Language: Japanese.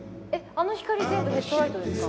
あの光全部ヘッドライトですか？